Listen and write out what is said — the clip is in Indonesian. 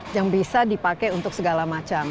yang bisa dipakai untuk segala macam